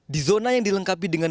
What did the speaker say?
di zona yang dilengkapi dengan